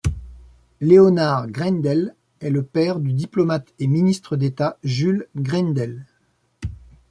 Léonard Greindl est le père du diplomate et ministre d'état Jules Greindl.